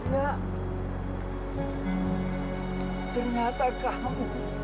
kak ternyata kamu